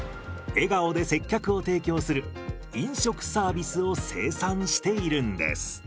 笑顔で接客を提供する飲食サービスを生産しているんです。